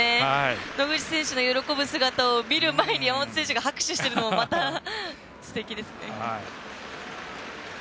野口選手の喜ぶ姿を見る前に、山本選手が拍手してるのもすてきですね。